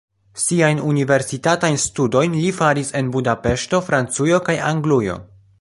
Siajn universitatajn studojn li faris en Budapeŝto, Francujo kaj Anglujo.